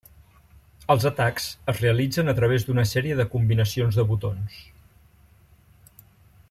Els atacs es realitzen a través d'una sèrie de combinacions de botons.